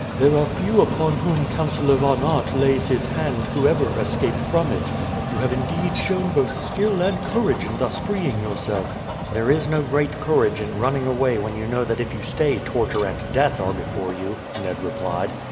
"There are few upon whom Councillor Von Aert lays his hand who ever escape from it. You have indeed shown both skill and courage in thus freeing yourself." "There is no great courage in running away when you know that if you stay torture and death are before you," Ned replied.